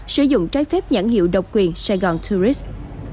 sử dụng trái phép nhãn hiệu độc quyền sài gòn tourist